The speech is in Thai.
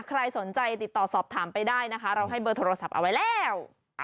ใครสนใจติดต่อสอบถามไปได้นะคะเราให้เบอร์โทรศัพท์เอาไว้แล้ว